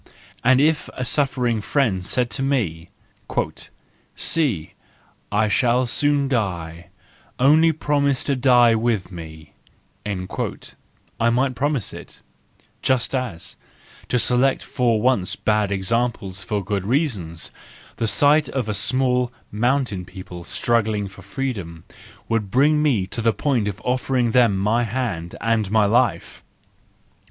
And if a suffering friend said to me, " See, I shall soon die, only promise to die with me"—I might promise it, just as—to select for once bad examples for good reasons—the sight of a small, mountain people struggling for freedom, would bring me to the point of offering them my hand and my life.